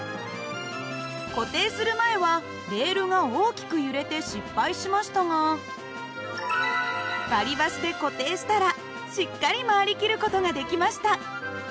固定する前はレールが大きく揺れて失敗しましたが割り箸で固定したらしっかり回りきる事ができました。